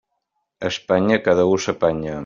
A Espanya, cada u s'apanya.